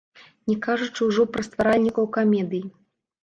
Не кажучы ўжо пра стваральнікаў камедый.